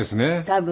多分。